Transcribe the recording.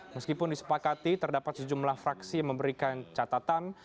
meskipun disepakati terdapat sejumlah fraksi yang memberikan catatan